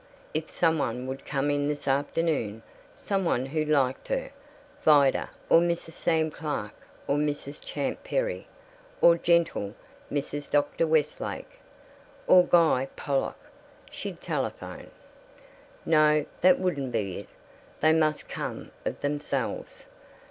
If some one would come in this afternoon, some one who liked her Vida or Mrs. Sam Clark or old Mrs. Champ Perry or gentle Mrs. Dr. Westlake. Or Guy Pollock! She'd telephone No. That wouldn't be it. They must come of themselves.